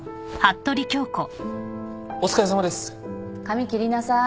髪切りなさい。